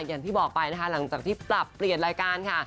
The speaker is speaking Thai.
อย่างที่บอกไปนะคะหลังจากที่ปรับเปลี่ยนรายการค่ะ